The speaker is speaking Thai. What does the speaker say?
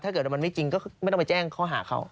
ถ้าเกิดว่ามันไม่จริงก็ไม่ต้องไปแจ้งข้อหาเขา